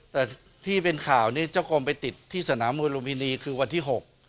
แต่ที่เป็นข่าวนี้เจ้ากรมไปติดที่สนามมวยลุมพินีคือวันที่๖